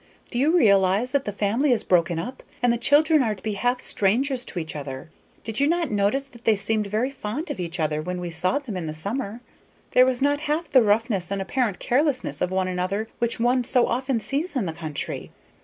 "Do you realize that the family is broken up, and the children are to be half strangers to each other? Did you not notice that they seemed very fond of each other when we saw them in the summer? There was not half the roughness and apparent carelessness of one another which one so often sees in the country.